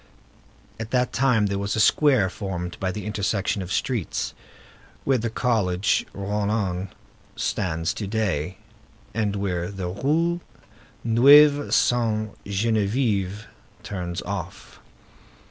At that time there was a square formed by the intersection of streets, where the College Rollin stands to day, and where the Rue Neuve Sainte Geneviève turns off.